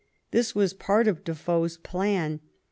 This was part of Defoe's plan.